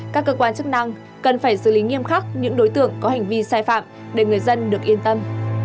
các cơ quan chức năng cần phải xử lý nghiêm khắc những đối tượng có hành vi sai phạm để người dân được yên tâm